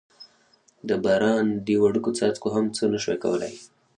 د باران دې وړوکو څاڅکو هم څه نه شوای کولای.